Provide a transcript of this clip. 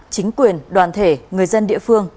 chính quyền đoàn thể người dân địa phương